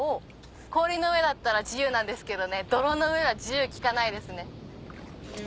氷の上だったら自由なんですけど泥の上は自由利かないですね。